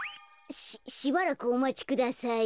しばらくおまちください。